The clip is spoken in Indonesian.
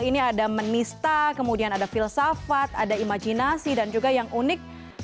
ini ada menista kemudian ada filsafat ada imajinasi dan juga yang unik